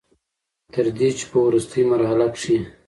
تر دې چې په ورورستۍ مرحله کښې